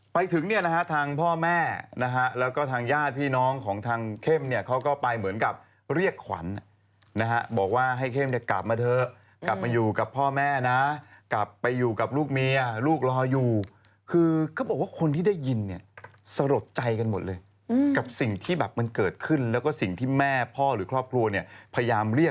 ไปถึงเนี่ยนะฮะทางพ่อแม่นะฮะแล้วก็ทางญาติพี่น้องของทางเข้มเนี่ยเขาก็ไปเหมือนกับเรียกขวัญนะฮะบอกว่าให้เข้มเนี่ยกลับมาเถอะกลับมาอยู่กับพ่อแม่นะกลับไปอยู่กับลูกเมียลูกรออยู่คือเขาบอกว่าคนที่ได้ยินเนี่ยสลดใจกันหมดเลยกับสิ่งที่แบบมันเกิดขึ้นแล้วก็สิ่งที่แม่พ่อหรือครอบครัวเนี่ยพยายามเรียก